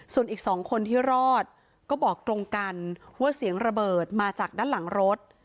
ส่วนอีก๒คนที่รอดก็บอกตรงกันว่าเสียงระเบิดมาจากด้านหลังรถ